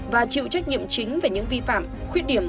và chịu trách nhiệm chính về những vi phạm khuyết điểm